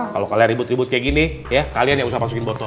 kalo kalian ribut ribut kaya gini ya kalian yang usah masukin botol